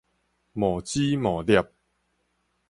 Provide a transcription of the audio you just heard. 冒之冒捏